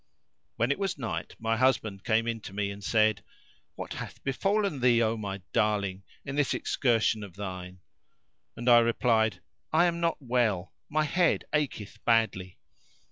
When it was night my husband came in to me and said, "What hath befallen thee, O my darling, in this excursion of thine?"; and I replied, "I am not well: my head acheth badly."